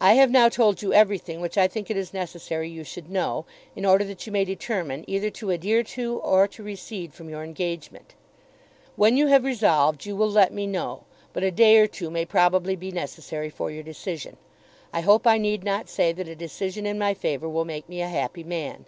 I have now told you everything which I think it is necessary you should know, in order that you may determine either to adhere to or to recede from your engagement. When you have resolved you will let me know, but a day or two may probably be necessary for your decision. I hope I need not say that a decision in my favour will make me a happy man.